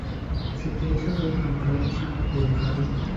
自己出去同佢拆掂佢